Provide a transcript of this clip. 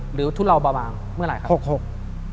หรือทุ่นเหล่าประมาณเมื่อไหร่ครับ